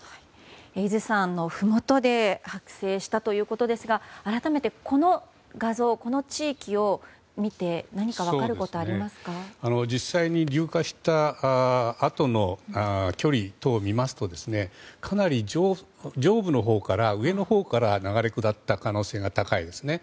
伊豆山ふもとで発生したということですが改めてこの画像、この地域を見て実際に流下したあとの距離等を見ますとかなり、上のほうから流れ下った可能性が高いです。